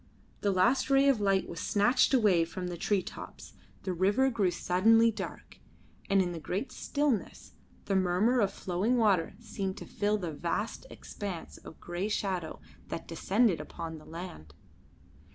The last ray of light was snatched away from the tree tops, the river grew suddenly dark, and in the great stillness the murmur of the flowing water seemed to fill the vast expanse of grey shadow that descended upon the land.